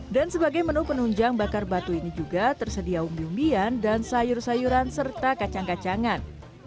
dan sebagai menu penunjang bakar batu ini juga tersedia umbi umbian dan sayur sayuran serta kacang kacangan